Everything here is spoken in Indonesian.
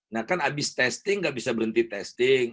nah kan abis testing nggak bisa berhenti testing